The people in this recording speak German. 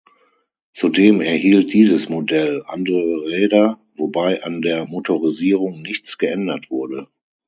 Zudem erhielt dieses Modell andere Räder, wobei an der Motorisierung nichts geändert wurde.